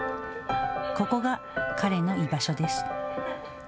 ここが彼の居場所です。